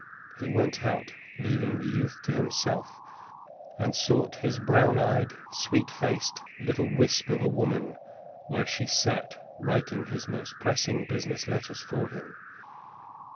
He went out, leaving the youth to himself, and sought his brown eyed, sweet faced little wisp of a woman, where she sat writing his most pressing business letters for him.